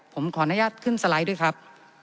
ผมขออนุญาตขึ้นสไลด์ด้วยครับ